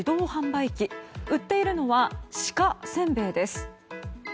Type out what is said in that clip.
売っているのは鹿せんべいです。